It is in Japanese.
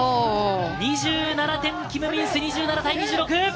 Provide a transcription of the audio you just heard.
キム・ミンス、２７対２６。